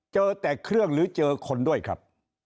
เจอแต่เครื่องหรือเจอคนด้วยครับ